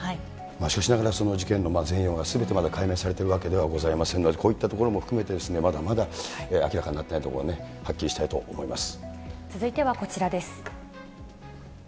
しかしながらその事件の全容がすべてまだ解明されているわけではございませんので、こういったところも含めて、まだまだ明らかになっていないところはね、はっきりしたいと思います。